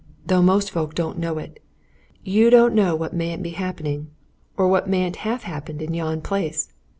though most folk don't know it. You don't know what mayn't be happening, or what mayn't have happened in yon place!